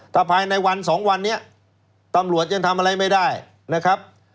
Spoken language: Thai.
ถ้าภายในวันสองวันนี้ตำรวจยังทำอะไรไม่ได้นะครับ